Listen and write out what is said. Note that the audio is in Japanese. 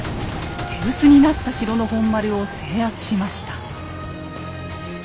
手薄になった城の本丸を制圧しました。